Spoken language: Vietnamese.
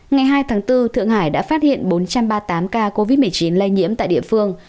ngày hai tháng bốn thượng hải đã phát hiện bốn trăm ba mươi tám ca covid một mươi chín lây nhiễm tại địa phương